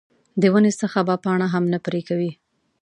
د ونې څخه به پاڼه هم نه پرې کوې.